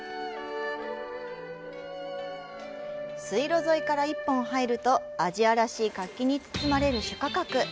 水路沿いから一本入るとアジアらしい活気に包まれる朱家角。